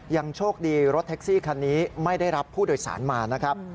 ยังโชคดีรถแท็กซี่คันนี้ไม่ได้รับผู้โดยสารมานะครับ